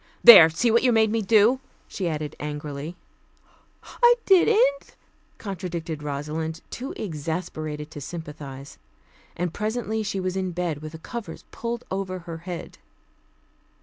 "There! see what you made me do," she added angrily. "I didn't," contradicted Rosalind, too exasperated to sympathize; and presently she was in bed, with the covers pulled over her head.